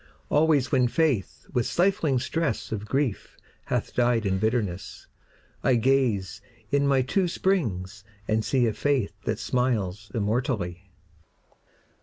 Always when Faith with stifling stress Of grief hath died in bitterness, I gaze in my two springs and see A Faith that smiles immortally.